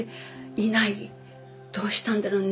どうしたんだろう